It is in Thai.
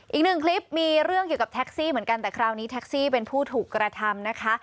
อีกหนึ่งคลิปมีเรื่องเกี่ยวกับแท็กซี่เหมือนกันแต่คราวนี้แท็กซี่เป็นผู้ถูกกระทำนะคะ